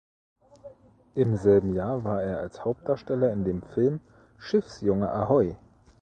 Im selben Jahr war er als Hauptdarsteller in dem Film "Schiffsjunge ahoi!